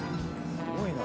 すごいな。